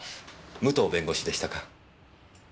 武藤弁護士でしたか。